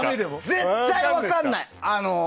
絶対分かんない！